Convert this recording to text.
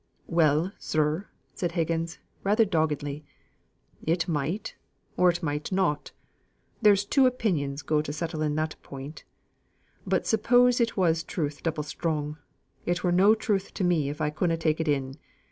"Well, sir," said Higgins, rather doggedly; "it might, or it might not. There's two opinions go to settling that point. But suppose it was truth double strong, it were no truth to me if I couldna take it in.